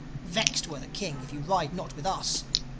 Vexed were the King if you ride not with us."